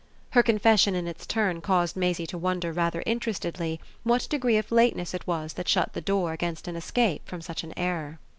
Her confession in its turn caused Maisie to wonder rather interestedly what degree of lateness it was that shut the door against an escape from such an error.